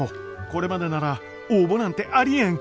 これまでなら「応募なんてありえん！」